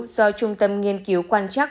do trung tâm nghiên cứu quan trắc